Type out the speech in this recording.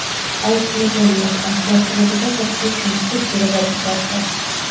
აუცილებელია, ტრანსპორტირებისას რძის შენახვის პირობების დაცვა.